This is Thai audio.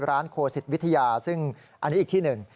โคสิตวิทยาซึ่งอันนี้อีกที่หนึ่ง